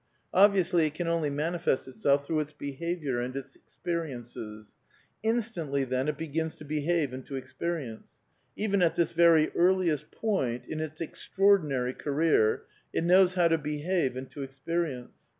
Obviously, it can only manifest itself through its behaviour and its experi ences. Instantly, then, it begins to behave and to experi ence. Even at this very earliest point in its extraordinary career, it knows how to behave and to experience.